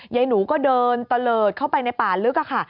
ยายหนูก็เดินตะเลิศเข้าไปในป่าลึกค่ะ